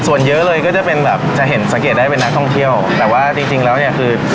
ส่วนเยอะเลยก็จะเป็นแบบจะเห็นสังเกตได้เป็นนักท่องเที่ยวแต่ว่าจริงจริงแล้วเนี่ยคือ